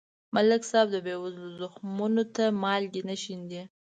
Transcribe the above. ملک صاحب د بېوزلو زخمونو ته مالګې نه شیندي.